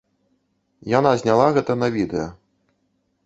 Яна зняла гэта на відэа.